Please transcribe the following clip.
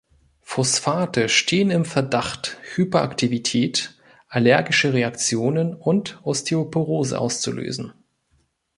Phosphate stehen im Verdacht, Hyperaktivität, allergische Reaktionen und Osteoporose auszulösen.